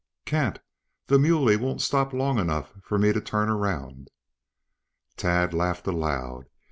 "Can't. The muley won't stop long enough for me to turn around." Tad laughed aloud.